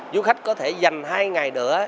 du khách có thể dành hai ngày nữa